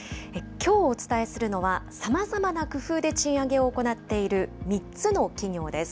きょうお伝えするのは、さまざまな工夫で賃上げを行っている３つの企業です。